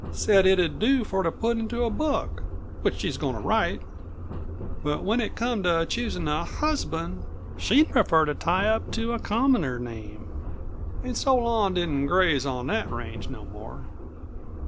Said it'd do for to put into a book which she's goin' to write, but when it come to choosin' a husband she'd prefer to tie up to a commoner name. An' so Lon didn't graze on that range no more."